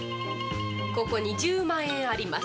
ここに１０万円あります。